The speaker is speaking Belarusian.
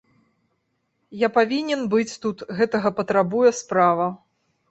Я павінен быць тут, гэтага патрабуе справа.